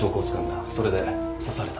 それで刺された。